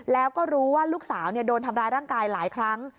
แล้วก็รู้ว่าลูกสาวโดนทำร้ายร่างกายหลายครั้ง